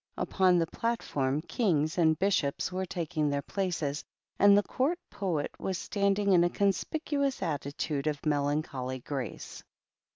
Upon the platform Kings and Bishops were taking their places, and the Court Poet was standing in a conspicuous attitude of melancholy grace.